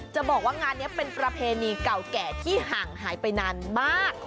จะบอกว่างานนี้เป็นประเพณีเก่าแก่ที่ห่างหายไปนานมาก